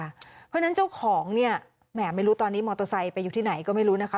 เพราะฉะนั้นเจ้าของเนี่ยแหมไม่รู้ตอนนี้มอเตอร์ไซค์ไปอยู่ที่ไหนก็ไม่รู้นะคะ